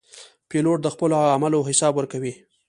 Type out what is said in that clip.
پیلوټ د خپلو عملو حساب ورکوي.